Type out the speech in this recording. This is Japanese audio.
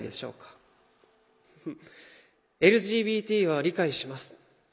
「ＬＧＢＴは理解します」。